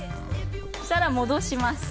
そしたら戻します